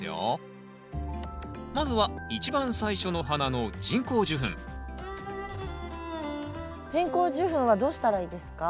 まずは一番最初の花の人工授粉人工授粉はどうしたらいいですか？